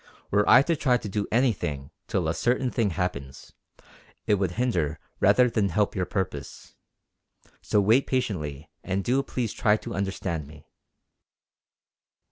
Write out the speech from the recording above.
Were I to try to do anything till a certain thing happens, it would hinder rather than help your purpose. So wait patiently and do please try to understand me."